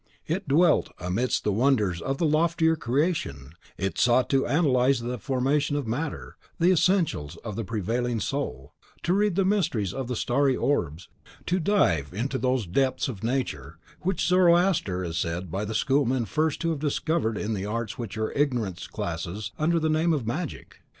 It dwelt amidst the wonders of the loftier creation; it sought to analyse the formation of matter, the essentials of the prevailing soul; to read the mysteries of the starry orbs; to dive into those depths of Nature in which Zoroaster is said by the schoolmen first to have discovered the arts which your ignorance classes under the name of magic.